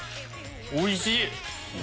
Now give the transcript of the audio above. おいしい！